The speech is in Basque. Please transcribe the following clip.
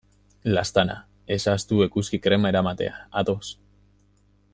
Laztana, ez ahaztu eguzki-krema eramatea, ados?